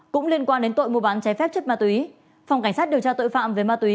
cũng liên quan đến tội mua bán trái phép chất ma túy phòng cảnh sát điều tra tội phạm về ma túy